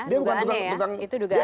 itu dugaannya ya